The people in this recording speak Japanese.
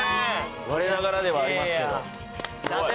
我ながらではありますけれど。